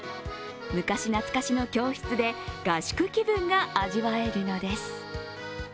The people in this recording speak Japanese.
昔懐かしの教室で合宿気分が味わえるのです。